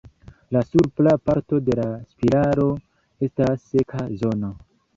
La supra parto de la spiralo estas seka zono.